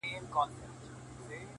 • لاس يې د ټولو کايناتو آزاد، مړ دي سم،